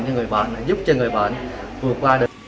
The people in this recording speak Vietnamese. cho người bệnh giúp cho người bệnh vượt qua được